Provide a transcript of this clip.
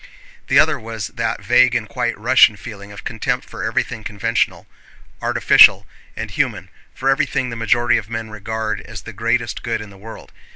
The other was that vague and quite Russian feeling of contempt for everything conventional, artificial, and human—for everything the majority of men regard as the greatest good in the world.